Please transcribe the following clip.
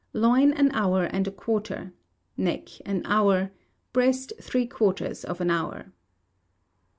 Loin, an hour and a quarter. Neck an hour. Breast, three quarters of an hour.